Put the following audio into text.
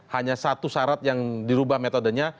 hanya satu syarat yang dirubah metodenya